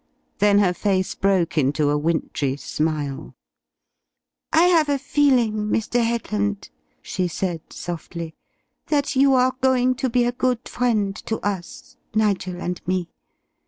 Then her face broke into a wintry smile. "I have a feeling, Mr. Headland," she said softly, "that you are going to be a good friend to us, Nigel and me.